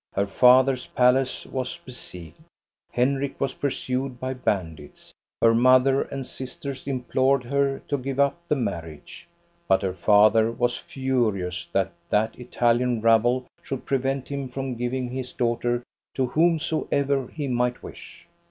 Her father's palace was besieged. Henrik was pursued by bandits. Her mother and sisters implored her to give up the marriage. But her father was furious that that Italian rabble should prevent him from giving his daughter to whomsoever he might wish.